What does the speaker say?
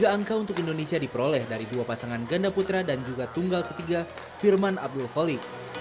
tiga angka untuk indonesia diperoleh dari dua pasangan ganda putra dan juga tunggal ketiga firman abdul khalib